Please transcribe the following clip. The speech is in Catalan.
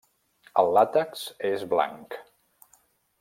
El làtex és blanc.